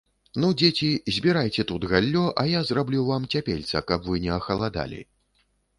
- Ну, дзеці, збірайце тут галлё, а я зраблю вам цяпельца, каб вы не ахаладалі